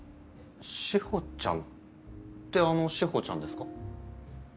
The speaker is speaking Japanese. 志保ちゃんってあの志保ちゃんですか？